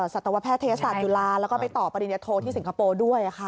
สัตวแพทยศาสตร์จุฬาแล้วก็ไปต่อปริญญโทที่สิงคโปร์ด้วยค่ะ